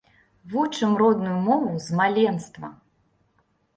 Вучым родную мову з маленства!